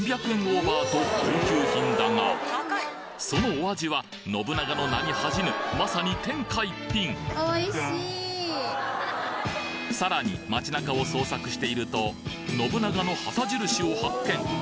オーバーと高級品だがそのお味は信長の名に恥じぬまさに天下一品さらに街中を捜索していると信長の旗印を発見！